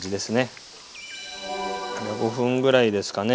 ５分ぐらいですかね